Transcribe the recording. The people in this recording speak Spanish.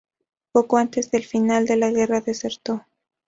Poco antes del final de la guerra desertó.